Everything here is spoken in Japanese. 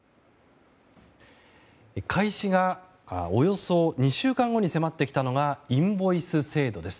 開始がおよそ２週間後に迫ってきたのがインボイス制度です。